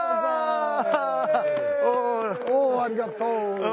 おありがとう。